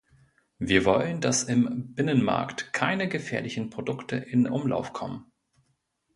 Wir wollen, dass im Binnenmarkt keine gefährlichen Produkte in Umlauf kommen.